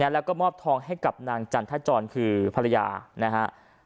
แล้วก็มอบทองให้กับนางจันทร์ท่าจรคือภรรยานะฮะ